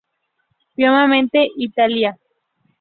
Piamonte, Italia.